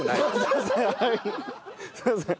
すいません。